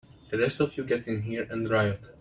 The rest of you get in here and riot!